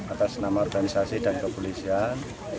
atas nama organisasi dan kepolisian